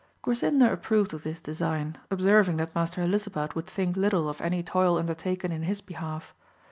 Grasinda approved of this design, observing that Master Helisabad would think little of any toil undertaken in his behalf.